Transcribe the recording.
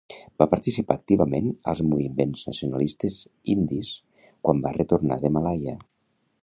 Va participar activament als moviments nacionalistes indis quan va retornar de Malaya.